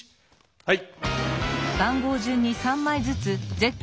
はい。